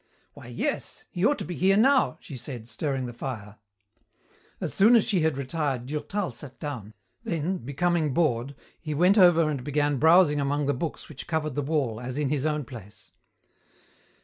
"Why, yes. He ought to be here now," she said, stirring the fire. As soon as she had retired Durtal sat down, then, becoming bored, he went over and began browsing among the books which covered the wall as in his own place.